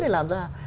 để làm ra